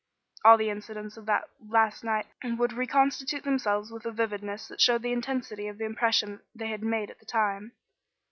All the incidents of that last night would reconstitute themselves with a vividness that showed the intensity of the impression that they had made at the time.